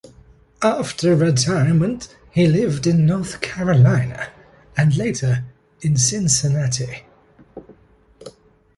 After retirement he lived in North Carolina and later in Cincinnati.